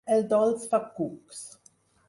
El dolç fa cucs.